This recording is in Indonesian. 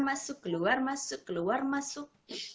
masuk keluar masuk keluar masuk